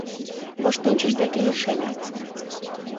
Воштончыш деке лишеме.